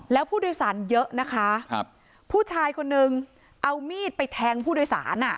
แล้วผู้โดยสารเยอะนะคะครับผู้ชายคนนึงเอามีดไปแทงผู้โดยสารอ่ะ